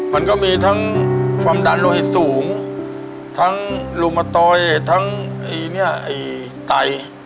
มันก็มีทั้งความดันโลหิตสูงทั้งลมตอยทั้งไต